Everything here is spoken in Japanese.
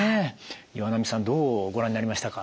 岩波さんどうご覧になりましたか。